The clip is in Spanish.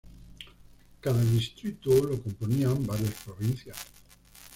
Cada distrito lo componían varias provincias.